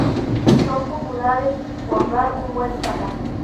Son populares por dar un buen sabor.